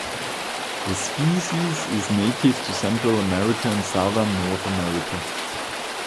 The species is native to Central America and southern North America.